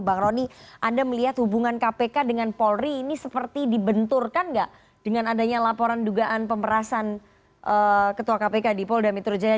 bang roni anda melihat hubungan kpk dengan polri ini seperti dibenturkan nggak dengan adanya laporan dugaan pemerasan ketua kpk di polda metro jaya